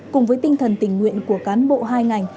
cùng với tinh thần tình nguyện của cán bộ hai ngành